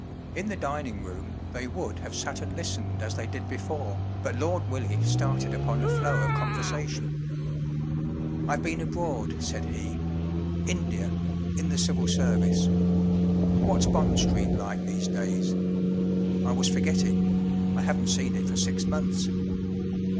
In the dining room they would have sat and listened as they did before, but Lord Willie started upon a flow of con¬ versation. “ I’ve been abroad,” said he—“ India—in the Civil Service. What’s Bond Street like these days ? I was forgetting—I haven’t seen it for six months.